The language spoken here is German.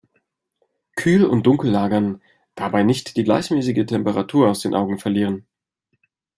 Kühl und dunkel lagern, dabei nicht die gleichmäßige Temperatur aus den Augen verlieren.